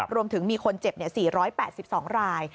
รวมถึงมีคนเจ็บ๔๘๒ราย